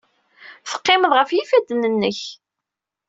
Teqqimeḍ ɣef yifadden-nnek.